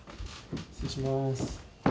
失礼します。